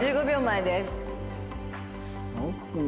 １０秒前。